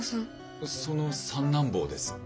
その三男坊です。